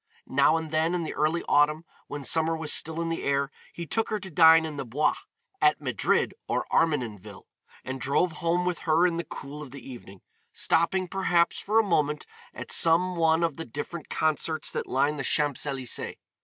Now and then in the early autumn when summer was still in the air he took her to dine in the Bois, at Madrid or Armenenville, and drove home with her in the cool of the evening, stopping, perhaps, for a moment at some one of the different concerts that lined the Champs Elysées.